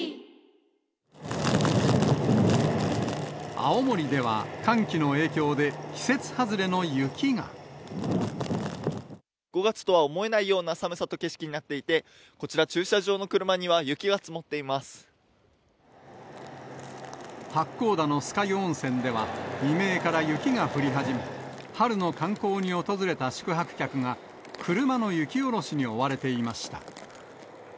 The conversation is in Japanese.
青森では、５月とは思えないような寒さと景色になっていて、こちら、駐車場の車には雪が積もっていま八甲田の酸ヶ湯温泉では、未明から雪が降り始め、春の観光に訪れた宿泊客が、車の雪下ろしに追われていました。